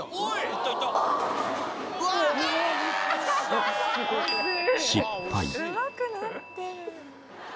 うまくなってる。